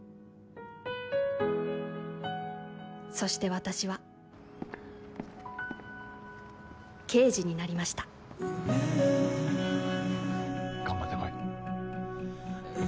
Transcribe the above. そして私は刑事になりました頑張ってこい。